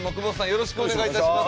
よろしくお願いします。